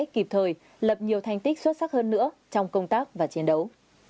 kịp thời lập nhiều thành tích xuất sắc hơn nữa trong công tác và chiến đấu